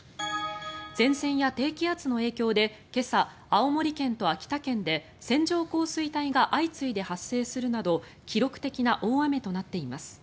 前線や低気圧の影響で今朝、青森県と秋田県で線状降水帯が相次いで発生するなど記録的な大雨となっています。